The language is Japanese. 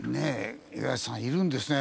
五十嵐さんいるんですね。